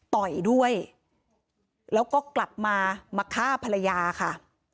ต่อยด้วยแล้วก็กลับมามาฆ่าภรรยาค่ะ